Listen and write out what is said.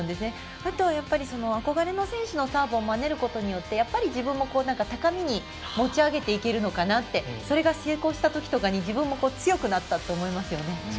あとは憧れの選手のサーブをまねることによってやっぱり自分も高みに持ちあげていけるのかなってそれが成功したときとかに自分も強くなったと思いますね。